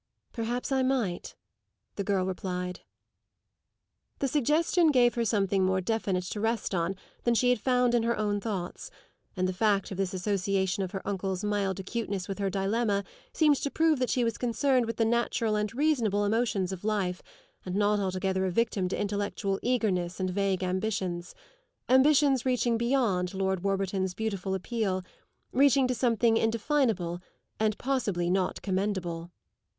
"Perhaps I might," the girl replied. That suggestion gave her something more definite to rest on than she had found in her own thoughts, and the fact of this association of her uncle's mild acuteness with her dilemma seemed to prove that she was concerned with the natural and reasonable emotions of life and not altogether a victim to intellectual eagerness and vague ambitions ambitions reaching beyond Lord Warburton's beautiful appeal, reaching to something indefinable and possibly not commendable.